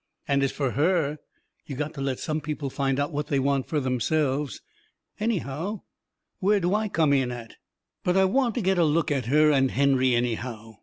And as fur HER, you got to let some people find out what they want fur theirselves. Anyhow, where do I come in at?" But I want to get a look at her and Henry, anyhow.